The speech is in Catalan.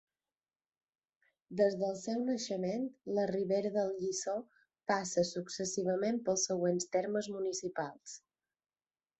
Des del seu naixement, la Ribera del Llissó passa successivament pels següents termes municipals.